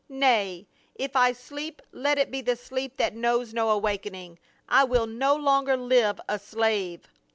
"Nay, if I sleep, let it be the sleep that knows no awakening. I will no longer live a slave."